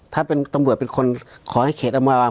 ถ้าเป็นตำรวจเป็นคนขอให้เขตอำมาวาง